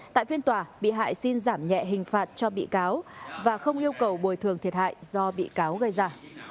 tại phiên tòa bị hại xin giảm nhẹ hình phạt cho bị cáo và không yêu cầu bồi thường thiệt hại do bị cáo gây ra